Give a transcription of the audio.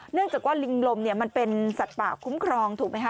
เนื่องจากว่าลิงลมมันเป็นสัตว์ป่าคุ้มครองถูกไหมคะ